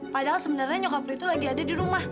padahal sebenarnya nyokap lo itu lagi ada di rumah